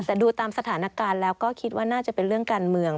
แต่ดูตามสถานการณ์แล้วก็คิดว่าน่าจะเป็นเรื่องการเมือง